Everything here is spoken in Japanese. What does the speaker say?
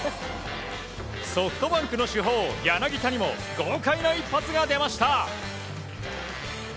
ソフトバンクの主砲・柳田にも豪快な一発が出ました。